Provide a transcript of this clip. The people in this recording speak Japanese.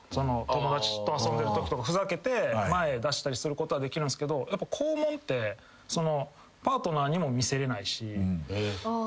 友達と遊んでるときとかふざけて前出したりすることできるけど肛門ってパートナーにも見せれないし。